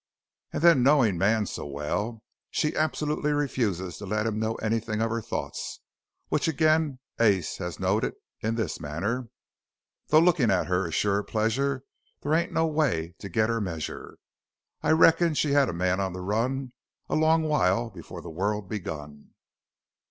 "And then, knowing man so well, she absolutely refuses to let him know anything of her thoughts. Which again, Ace has noted in this manner: 'Though lookin' at her is sure a pleasure; There ain't no way to get her measure. I reckon she had man on the run A long while before the world begun.'